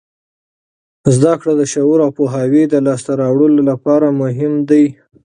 زده کړه د شعور او پوهاوي د لاسته راوړلو لپاره مهم دی.